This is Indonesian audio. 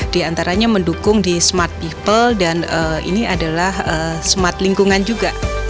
di antaranya mendukung di smart people dan ini adalah smart lingkungan juga